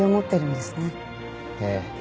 ええ。